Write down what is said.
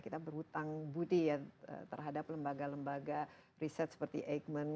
kita berhutang budi ya terhadap lembaga lembaga riset seperti eijkman